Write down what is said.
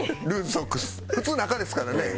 普通中ですからね。